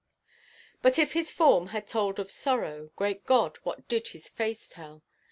But if his form had told of sorrow, great God, what did his face tell?